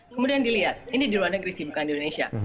kemudian dilihat ini di ruana negresi bukan di indonesia